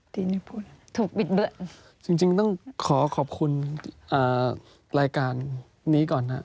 ที่นี่พูดถูกบิดเบือนจริงจริงต้องขอขอบคุณรายการนี้ก่อนฮะ